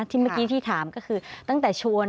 ที่เมื่อกี้ที่ถามก็คือตั้งแต่ชวน